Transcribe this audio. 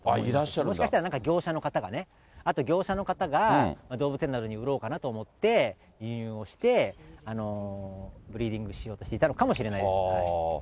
もしかしたら業者の方とかね、あと、業者の方が、動物園などに売ろうかなと思って輸入をして、ブリーディングしようとしていたのかもしれない。